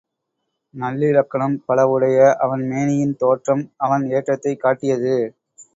நல்லிலக்கணம் பல உடைய அவன் மேனியின் தோற்றம் அவன் ஏற்றத்தைக் காட்டியது.